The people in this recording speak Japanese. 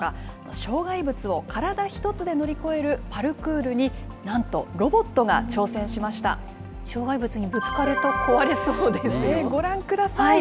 障害物を体一つで乗り越えるパルクールに、なんとロボットが挑戦障害物にぶつかると、壊れそご覧ください。